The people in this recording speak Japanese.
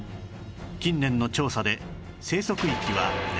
近年の調査で生息域は年々拡大